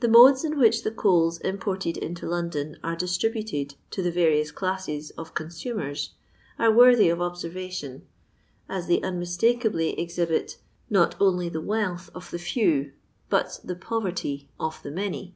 The modes in which the coals imported into London are distributed to the various classes of consumers are worthy of observation, as they un mistakably exhibit not only the wealth of the few, but the poverty of the many.